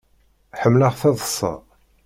Ḥemmleɣ taḍṣa.